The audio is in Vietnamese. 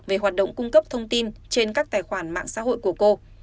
về hoạt động cung cấp thông tin trên các tài khoản mạng xã hội của cô